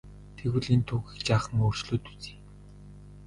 Тэгвэл энэ түүхийг жаахан өөрчлөөд үзье.